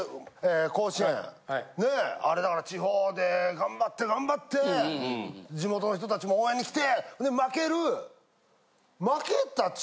ねえあれだから地方で頑張って頑張って地元の人たちも応援に来てで負ける。